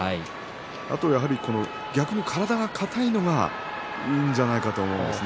あと逆に体が硬いのがいいんじゃないかと思うんですね。